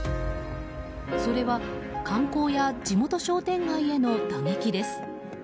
それは観光や地元商店街への打撃です。